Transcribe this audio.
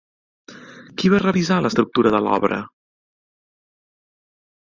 Qui va revisar l'estructura de l'obra?